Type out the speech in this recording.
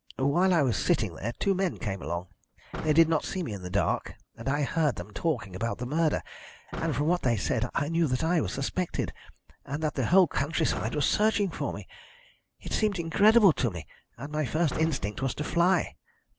"While I was sitting there two men came along. They did not see me in the dark, and I heard them talking about the murder, and from what they said I knew that I was suspected, and that the whole country side was searching for me. It seemed incredible to me, and my first instinct was to fly.